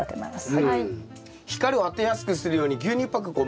はい。